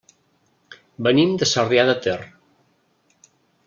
Venim de Sarrià de Ter.